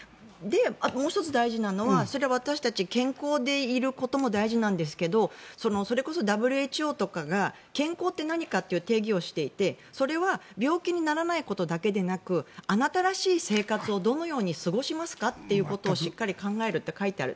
もう１つ大事なのは私たち健康でいることも大事なんですけどそれこそＷＨＯとかが健康って何かという定義をしていてそれは病気にならないことだけでなくあなたらしい生活をどのように過ごしますかということをしっかり考えるって考える。